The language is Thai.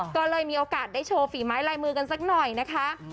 ก็เลยมีโอกาสได้โชว์ฝีไม้ลายมือกันสักหน่อยนะคะ